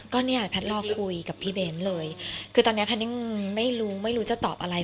ก็เนี่ยแพทย์รอคุยกับพี่เบ้นเลยคือตอนนี้แพนิ่งไม่รู้ไม่รู้จะตอบอะไร